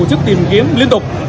và tổ chức tìm kiếm liên tục